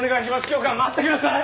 教官待ってください！